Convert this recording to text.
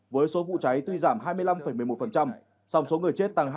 với số vụ cháy tùy giảm hai mươi năm một mươi một sòng số người chết tăng hai mươi hai chín